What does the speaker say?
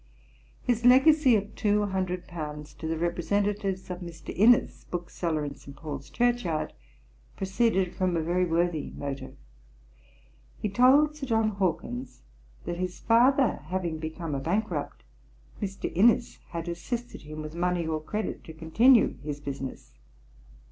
His legacy of two hundred pounds to the representatives of Mr. Innys, bookseller, in St. Paul's Church yard [F 10], proceeded from a very worthy motive. He told Sir John Hawkins, that his father having become a bankrupt, Mr. Innys had assisted him with money or credit to continue his business.